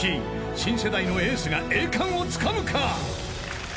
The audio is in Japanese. ［新世代のエースが栄冠をつかむか！？］